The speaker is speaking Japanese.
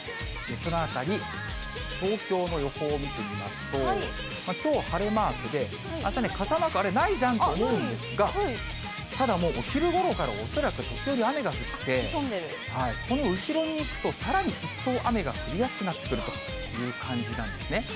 そのあたり、東京の予報を見てみますと、きょう、晴れマークで、あした、傘マークないじゃんと思うんですが、ただもうお昼ごろから恐らく時折雨が降って、この後ろにいくとさらに一層雨が降りやすくなってくるという感じなんですね。